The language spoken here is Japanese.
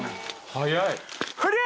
早い。